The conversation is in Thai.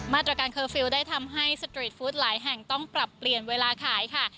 มาตรการเคอร์ฟิลล์ได้ทำให้สตรีทฟู้ดหลายแห่งต้องปรับเปลี่ยนเวลาขายค่ะ